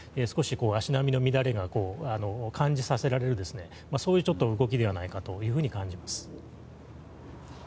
少し足並みの乱れを感じさせられるそういう動きではないかと感じます。